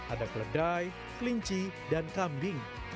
ada keledai kelinci dan kambing